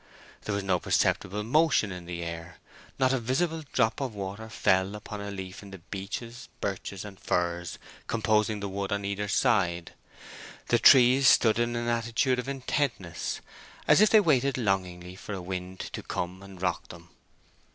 There was no perceptible motion in the air, not a visible drop of water fell upon a leaf of the beeches, birches, and firs composing the wood on either side. The trees stood in an attitude of intentness, as if they waited longingly for a wind to come and rock them.